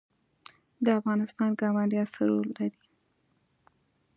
د افغانستان ګاونډیان څه رول لري؟